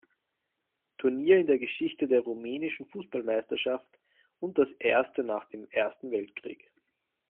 Turnier in der Geschichte der rumänischen Fußballmeisterschaft und das erste nach dem Ersten Weltkrieg.